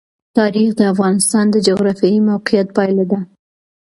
تاریخ د افغانستان د جغرافیایي موقیعت پایله ده.